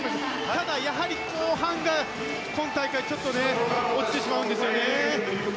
ただ、やはり後半で今大会、ちょっと落ちてしまうんですよね。